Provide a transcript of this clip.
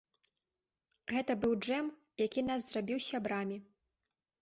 Гэта быў джэм, які нас зрабіў сябрамі.